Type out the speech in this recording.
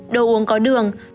đồ uống có đường